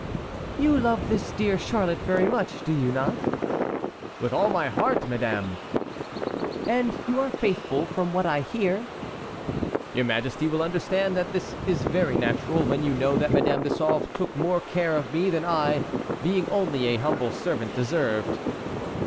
"You love this dear Charlotte very much, do you not?" "With all my heart, madame!" "And you are faithful, from what I hear." "Your majesty will understand that this is very natural when you know that Madame de Sauve took more care of me than I, being only an humble servant, deserved."